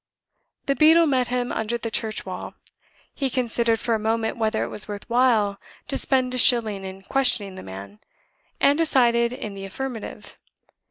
The beadle met him under the church wall. He considered for a moment whether it was worth while to spend a shilling in questioning the man, and decided in the affirmative.